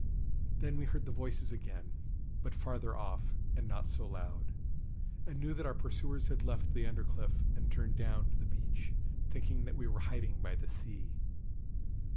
Then we heard the voices again, but farther off, and not so loud; and knew that our pursuers had left the under cliff and turned down on to the beach, thinking that we were hiding by the sea.